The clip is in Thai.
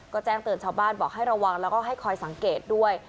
ก็แจ้งเตือนชาวบ้านบอกให้ระวังแล้วก็ให้คอยสังเกตด้วย